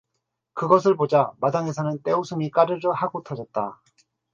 그것을 보자 마당에서는 떼웃음이 까르르 하고 터졌다.